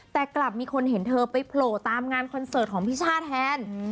แต่กลับมีคนเห็นเธอไปโผล่ตามงานคอนเสิร์ตของพี่ช่าแทน